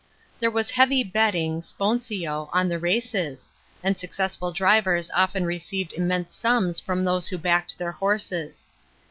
* There was heavy betting (i ponsio) on the races, f and successful drivers oft< n received immense sums from those who backed their horses.